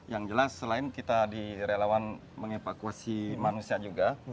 yang jelas selain kita direlawan mengevakuasi manusia juga